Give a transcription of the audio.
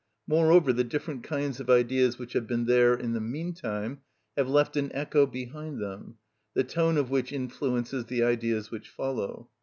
Moreover, the different kinds of ideas which have been there in the meantime have left an echo behind them, the tone of which influences the ideas which follow.